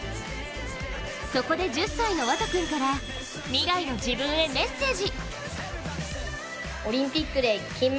そこで１０歳の湧都君から未来の自分へメッセージ。